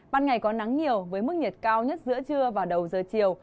ban ngày có nắng nhiều với mức nhiệt cao nhất giữa trưa và đầu giờ chiều